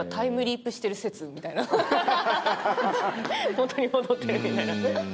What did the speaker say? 元に戻ってるみたいな。